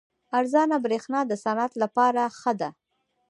ارزانه بریښنا د صنعت لپاره ښه ده.